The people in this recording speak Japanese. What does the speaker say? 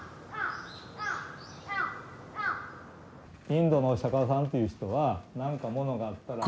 インドのお釈迦さんという人は何かものがあったら。